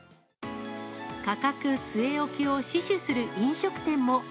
価格据え置きを死守する飲食店も。